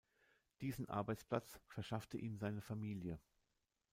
Diesen Arbeitsplatz verschaffte ihm seine Familie.